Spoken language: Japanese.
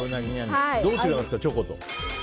どう違いますか、チョコと。